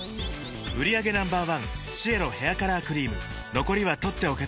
売上№１シエロヘアカラークリーム残りは取っておけて